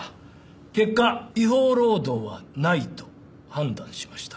結果違法労働はないと判断しました。